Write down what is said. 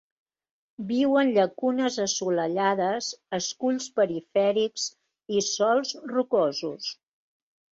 Viu en llacunes assolellades, esculls perifèrics i sòls rocosos.